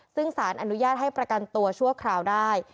ซึ่งสารอนุญาตให้ประกันตัวชั่วคราวได้